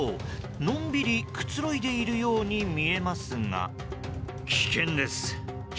のんびりくつろいでいるように見えますが。